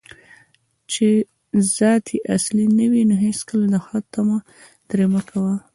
چې ذات یې اصلي نه وي، نو هیڅکله د ښو طمعه ترې مه کوه